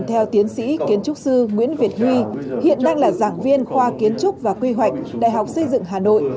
theo tiến sĩ kiến trúc sư nguyễn việt huy hiện đang là giảng viên khoa kiến trúc và quy hoạch đại học xây dựng hà nội